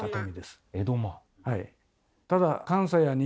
はい。